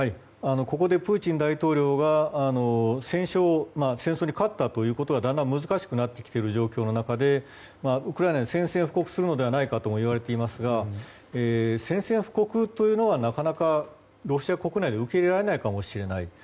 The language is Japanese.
ここでプーチン大統領は戦争に勝ったということはだんだん難しくなってきている状況でウクライナに宣戦布告するのではないかといわれていますが宣戦布告はなかなかロシア国内で受け入れられないかもしれない。